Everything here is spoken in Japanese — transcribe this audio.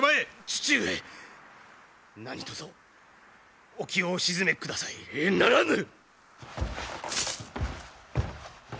父上何とぞお気をお静めください。ならぬ！